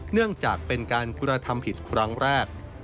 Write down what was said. เนื่องจากเป็นการกระทำผิดครั้งแรก